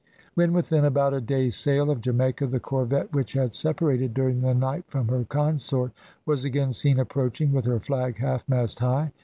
When within about a day's sail of Jamaica the corvette, which had separated during the night from her consort, was again seen approaching, with her flag halfmast high.